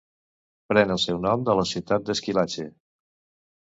Pren el seu nom de la ciutat de Squillace.